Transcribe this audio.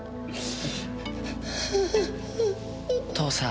父さん。